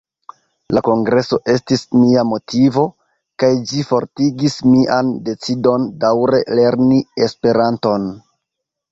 La kongreso estis mia motivo, kaj ĝi fortigis mian decidon daǔre lerni Esperanton.